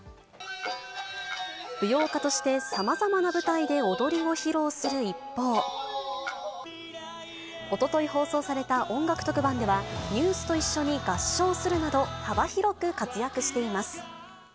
舞踊家として、さまざまな舞台で踊りを披露する一方、おととい放送された音楽特番では、ＮＥＷＳと一緒に合唱するなど、幅広く活躍しています。